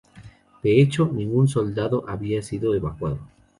De hecho, ningún soldado había sido evacuado.